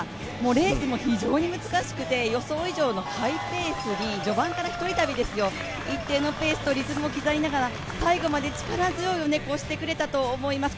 レースも非常に難しくて予想以上のハイペースに、序盤から１人旅ですよ、一定のペースとリズムを刻みながら最後まで力強い走りを見せてくれたと思います。